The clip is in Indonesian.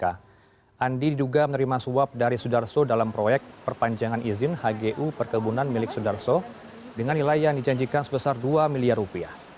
andi diduga menerima suap dari sudarso dalam proyek perpanjangan izin hgu perkebunan milik sudarso dengan nilai yang dijanjikan sebesar dua miliar rupiah